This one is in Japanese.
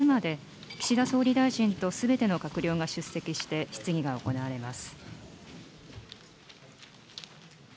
参議院予算委員会はあすまで、岸田総理大臣と、すべての閣僚が出席して質疑が行われます。